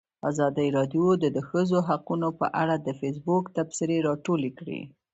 ازادي راډیو د د ښځو حقونه په اړه د فیسبوک تبصرې راټولې کړي.